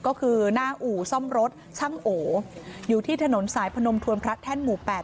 ก็คือหน้าอู่ซ่อมรถช่างโออยู่ที่ถนนสายพนมทวนพระแท่นหมู่๘